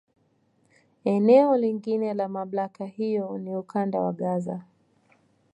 Eneo lingine la MamlakA hiyo ni Ukanda wa Gaza.